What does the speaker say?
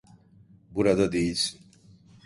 Burada değilsin.